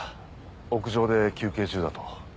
屋上で休憩中だと。